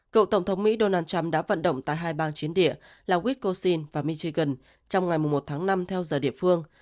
cựu tổng thống mỹ donald trump đã vận động tại hai bang chiến địa là whiscosin và michigan trong ngày một tháng năm theo giờ địa phương